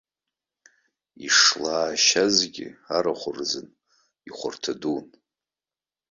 Ишлааашьазгьы арахә рзыҳәан ихәарҭа дуун.